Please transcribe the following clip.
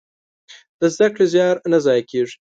د زده کړې زيار نه ضايع کېږي.